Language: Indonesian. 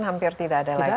hampir tidak ada lagi